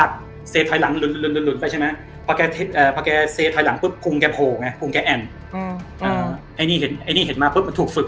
ไอ้ทหารนี้มันก็ไม่คิดได้มันก็ปล่อยมือ